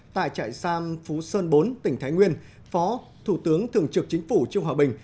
tại trại sam phú sơn bốn tỉnh thái nguyên phó thủ tướng thường trực chính phủ trương hòa bình